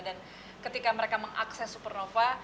dan ketika mereka mengakses supernova